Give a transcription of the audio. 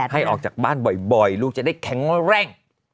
ให้ออกจากบ้านบ่อยลูกจะได้แข็งแรง